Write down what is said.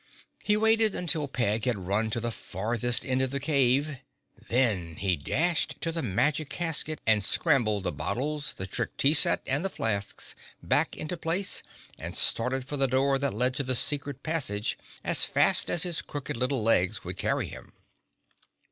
He waited till Peg had run to the farthest end of the cave; then he dashed to the magic casket and scrambled the bottles, the Trick Tea Set and the flasks back into place and started for the door that led to the secret passage as fast as his crooked little legs would carry him.